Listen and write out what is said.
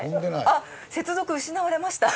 あっ「接続失われました」。